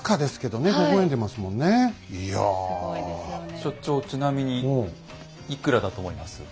所長ちなみにいくらだと思います？